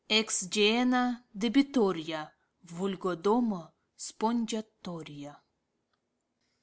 Ex gehenna debitoria, Vulgo, domo spongiatoria.'